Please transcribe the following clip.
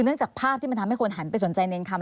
จากภาพที่มันทำให้คนหันไปสนใจเนรคำ